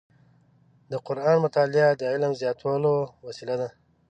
د قرآن مطالع د علم زیاتولو وسیله ده.